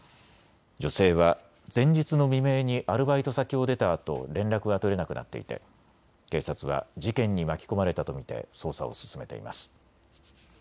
女性は前日の未明にアルバイト先を出たあと連絡が取れなくなっていて警察は事件に巻き込まれたと見て捜査を進めています。